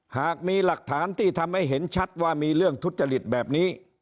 หากมีหลักฐานที่ทำให้เห็นชัดว่ามีเรื่องทุจริตแบบนี้